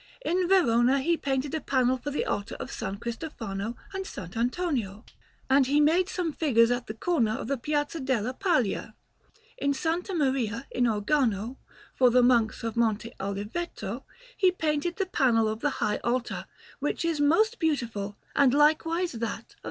In Verona he painted a panel for the altar of S. Cristofano and S. Antonio, and he made some figures at the corner of the Piazza della Paglía. In S. Maria in Organo, for the Monks of Monte Oliveto, he painted the panel of the high altar, which is most beautiful, and likewise that of S.